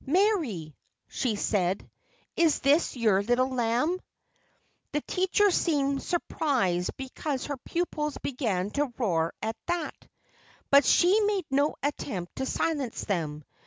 "Mary!" she said. "Is this your little lamb?" The teacher seemed surprised because her pupils began to roar at that. But she made no attempt to silence them.